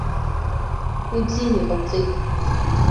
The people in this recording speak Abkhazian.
Уи бзианы иҟауҵеит.